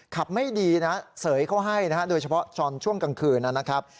ไม่ดีนะเสยเขาให้นะฮะโดยเฉพาะตอนช่วงกลางคืนนะครับ